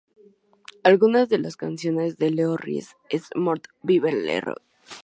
Algunas de las canciones de "Le Roi Est Mort, Vive Le Roi!